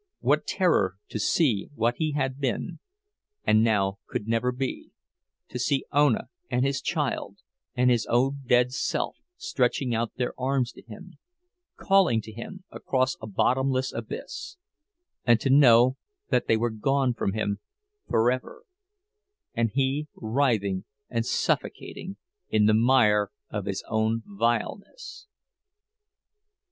What terror to see what he had been and now could never be—to see Ona and his child and his own dead self stretching out their arms to him, calling to him across a bottomless abyss—and to know that they were gone from him forever, and he writhing and suffocating in the mire of his own vileness!